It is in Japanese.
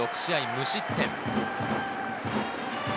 無失点。